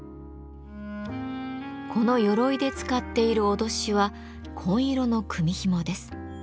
この鎧で使っている威しは紺色の組みひもです。